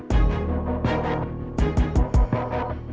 ini memang benar benar erklir empat anak